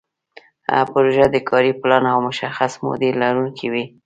پروژه د کاري پلان او مشخصې مودې لرونکې وي.